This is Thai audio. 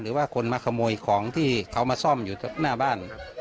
หรือว่าคนมาขโมยของที่เขามาซ่อมอยู่หน้าบ้าน